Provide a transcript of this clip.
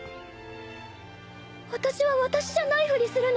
私は私じゃないふりするの？